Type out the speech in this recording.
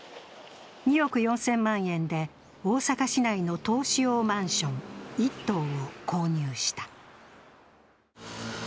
２億４０００万円で大阪市内の投資用マンション１棟を購入した。